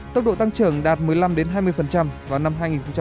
tốc độ tăng trưởng đạt một mươi năm hai mươi vào năm hai nghìn hai mươi